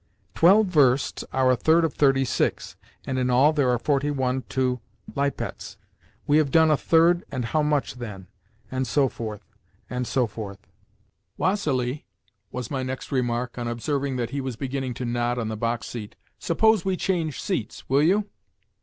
"Twelve versts are a third of thirty six, and in all there are forty one to Lipetz. We have done a third and how much, then?", and so forth, and so forth. "Vassili," was my next remark, on observing that he was beginning to nod on the box seat, "suppose we change seats? Will you?"